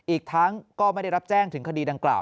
อีกทั้งก็ไม่ได้รับแจ้งถึงคดีดังกล่าว